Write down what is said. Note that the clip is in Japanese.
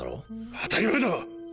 当たり前だろ！